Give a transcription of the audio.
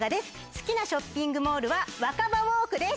好きなショッピングモールはワカバウォークです。